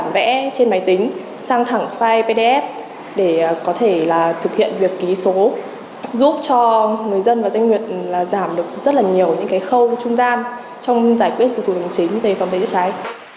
những khâu trung gian trong giải quyết thủ tục hành chính về phòng giải trí trái